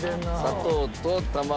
砂糖と卵。